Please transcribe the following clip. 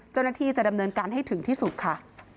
เจ้าหน้าที่จะดำเนินการให้ถึงที่สุดค่ะ